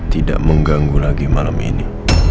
tidak mengganggu lagi malam ini